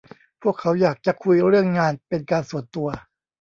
พวกเขาอยากจะคุยเรื่องงานเป็นการส่วนตัว